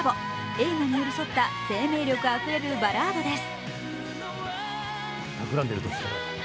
映画に寄り添った生命力あふれるバラードです。